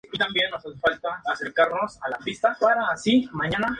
Artículo principal: "Gastronomía de Yemen".